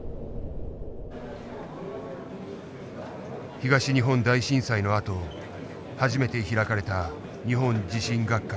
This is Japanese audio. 東日本大震災のあと初めて開かれた日本地震学会。